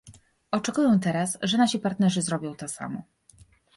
Oczekuję teraz, że nasi partnerzy zrobią to samo